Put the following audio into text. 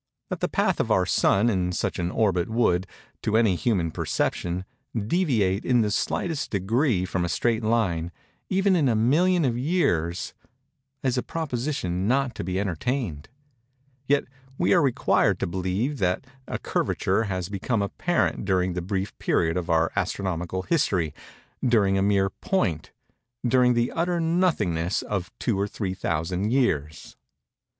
That the path of our Sun in such an orbit would, to any human perception, deviate in the slightest degree from a straight line, even in a million of years, is a proposition not to be entertained:—yet we are required to believe that a curvature has become apparent during the brief period of our astronomical history—during a mere point—during the utter nothingness of two or three thousand years.